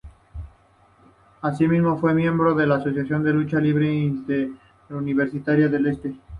Asimismo, fue miembro de la Asociación de Lucha Libre Interuniversitaria del Este.